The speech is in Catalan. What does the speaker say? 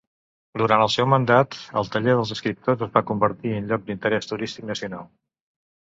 Durant el seu mandat, el taller dels escriptors es va convertir en lloc d'interès turístic nacional.